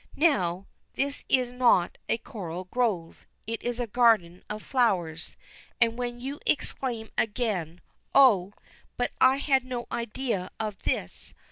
Now, this is not a coral grove, it is a garden of flowers, and when you exclaim again, "Oh, but I had no idea of this!"